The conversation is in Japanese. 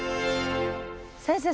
先生